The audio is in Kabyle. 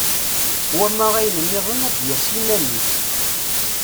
Wama ayen-nniḍen ad d-yas iman-is.